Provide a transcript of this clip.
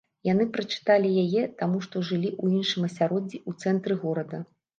Яны прачыталі яе, таму што жылі ў іншым асяроддзі ў цэнтры горада.